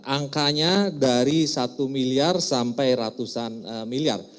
angkanya dari satu miliar sampai ratusan miliar